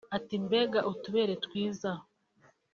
Ati “Mbega utu bere twiza